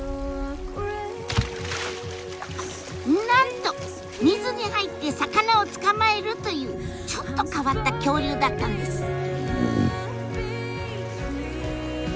なんと水に入って魚を捕まえるというちょっと変わった恐竜だったんです。